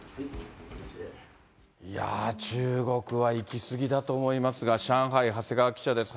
いやー、中国はいき過ぎだと思いますが、上海、長谷川記者です。